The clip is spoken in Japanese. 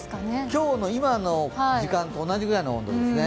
今日の今の時間と同じくらいの温度ですね。